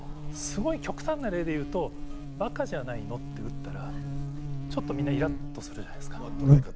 極端な例でいうとばかじゃないのと打ったらちょっとみんなイラっとするじゃないですか。